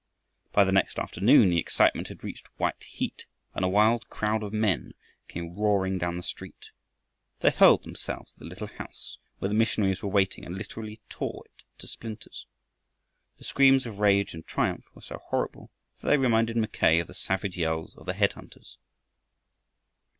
By the next afternoon the excitement had reached white heat, and a wild crowd of men came roaring down the street. They hurled themselves at the little house where the missionaries were waiting and literally tore it to splinters. The screams of rage and triumph were so horrible that they reminded Mackay of the savage yells of the head hunters.